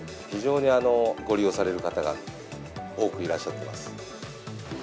非常にご利用される方が多くいらっしゃってます。